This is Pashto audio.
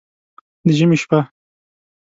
د ژمي شپه